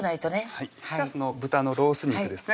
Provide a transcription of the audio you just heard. はいではその豚のロース肉ですね